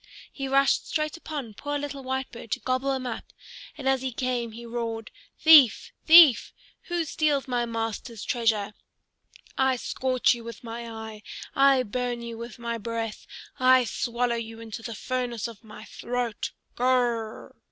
He rushed straight upon poor little Whitebird to gobble him up, and as he came he roared: "Thief, thief! who steals my master's treasure? I scorch you with my eye! I burn you with my breath! I swallow you into the furnace of my throat. Gr r r r!"